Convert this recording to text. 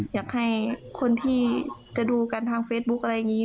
อยากให้คนที่จะดูกันทางเฟซบุ๊คอะไรอย่างนี้